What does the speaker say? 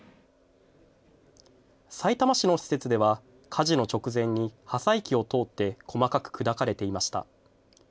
さいたま市の施設では火事の直前に破砕機を通って細かく砕かれていました。